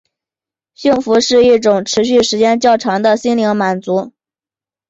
幸福是一种持续时间较长的心灵的满足。